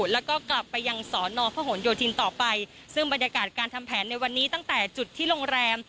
แล้วก็กลับไปยังสอนอพหนโยธินต่อไปซึ่งบรรยากาศการทำแผนในวันนี้ตั้งแต่จุดที่โรงแรม